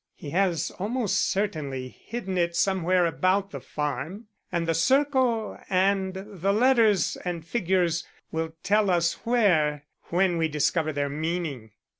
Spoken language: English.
He has almost certainly hidden it somewhere about the farm, and the circle and the letters and figures will tell us where, when we discover their meaning."